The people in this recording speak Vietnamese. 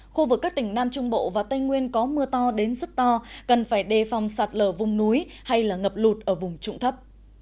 khu vực các tỉnh nam trung bộ và tây nguyên có mưa to đến rất to cần phải đề phòng sạt lở vùng núi hay ngập lụt ở vùng trụng thấp